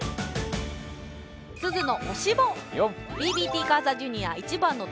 「すずの推しＢＯ！」。